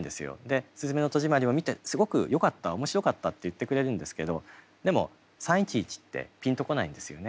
「すずめの戸締まり」を見てすごくよかった面白かったって言ってくれるんですけどでも３．１１ってピンと来ないんですよね。